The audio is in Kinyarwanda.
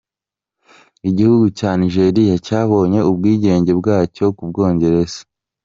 Igihugu cya Nigeria cyabonye ubwigenge bwacyo ku Bwongereza.